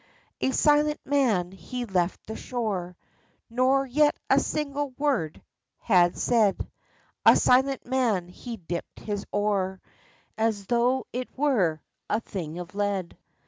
A silent man he left the shore, Nor yet a single word had said ; A silent man he dipped his oar As though it were a thing of lead.